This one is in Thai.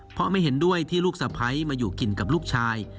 เพราะไม่เห็นด้วยที่ลูกสะพ้ายมาอยู่กินกับลูกชาย